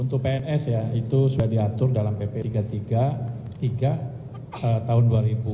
untuk pns ya itu sudah diatur dalam pp tiga ratus tiga puluh tiga tahun dua ribu dua